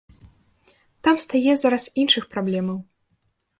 Там стае зараз іншых праблемаў.